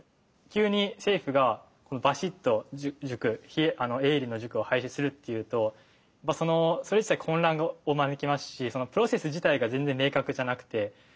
急に政府がばしっと営利の塾を廃止するっていうとそれ自体混乱を招きますしプロセス自体が全然明確じゃなくて。